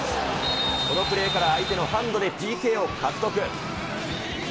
このプレーから相手のハンドでＰＫを獲得。